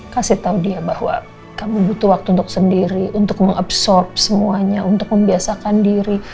kasih tahu dia bahwa kamu butuh waktu untuk sendiri untuk mengabsorb semuanya untuk membiasakan diri